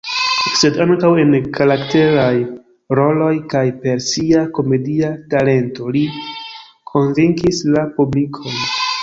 Sed ankaŭ en karakteraj roloj kaj per sia komedia talento li konvinkis la publikon.